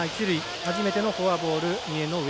初めてのフォアボール。